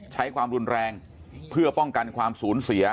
ใช้ความรุนแรงเพื่อป้องกันความสูญเสีย